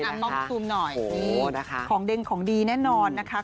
อัมป้องซูมหน่อยของเด็งของดีแน่นอนนะคะ